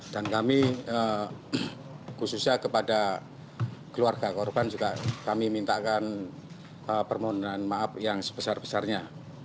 dan kami khususnya kepada keluarga korban juga kami mintakan permohonan maaf yang sebesar besarnya